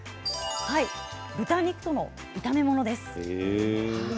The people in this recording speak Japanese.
豚肉との炒め物です。